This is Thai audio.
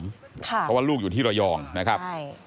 เพราะว่าลูกอยู่ที่ระยองนะครับใช่